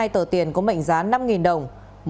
ba trăm tám mươi hai tờ tiền có mệnh giá năm đồng